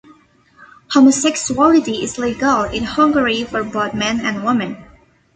Homosexuality is legal in Hungary for both men and women.